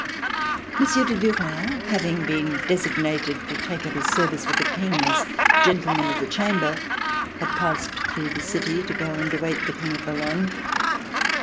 Monsieur de Duras, having been designated to take up his service with the King as Gentleman of the Chamber, had passed through the city to go and await the King at Boulogne.